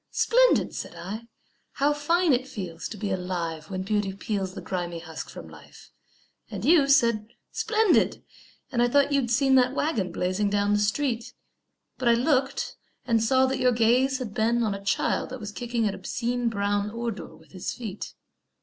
"Splendid!" said I. "How fine it feels To be alive, when beauty peels The grimy husk from life." And you Said, "Splendid!" and I thought you'd seen That waggon blazing down the street; But I looked and saw that your gaze had been On a child that was kicking an obscene Brown ordure with his feet.